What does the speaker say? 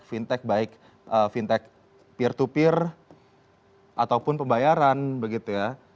fintech baik fintech peer to peer ataupun pembayaran begitu ya